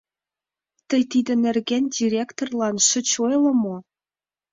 Тый тиде нерген директорлан шыч ойло мо?